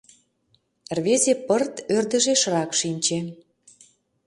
Рвезе пырт ӧрдыжешрак шинче.